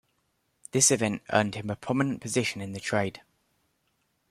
This event earned him a prominent position in the trade.